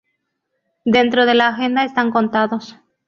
Dentro de la agenda están contados.